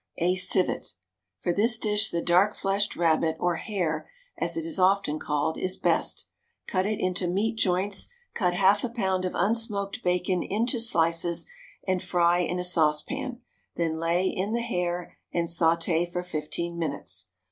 A Civet. For this dish the dark fleshed rabbit, or hare, as it is often called, is best. Cut it into meat joints; cut half a pound of unsmoked bacon into slices, and fry in a saucepan; then lay in the hare, and sauté for fifteen minutes.